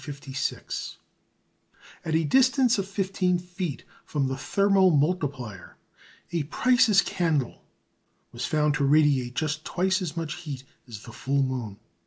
At a distance of fifteen feet from the thermomultiplier, a Price's candle was found to radiate just twice as much heat as the full moon.